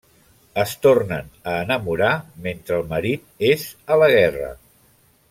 Es tornen a enamorar mentre el marit és a la guerra.